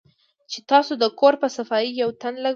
چې تاسو د کور پۀ صفائي يو تن ولګوۀ